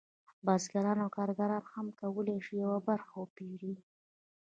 بزګران او کارګران هم کولی شي یوه برخه وپېري